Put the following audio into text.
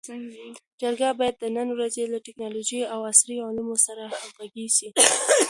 جرګه باید د نن ورځې له ټکنالوژۍ او عصري علومو سره همږغي سي.